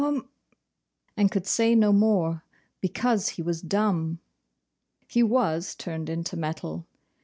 and could say no more, because he was dumb. He WAS turned into metal!